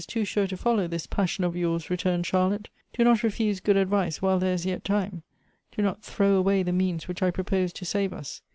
too sure to follow this passion of yourSj'lj returned Charlotte: "do not refuse good advice while there is yet time ; do not. throw away the means which I propose to save us.